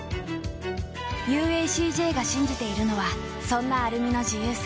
ＵＡＣＪ が信じているのはそんなアルミの自由さ。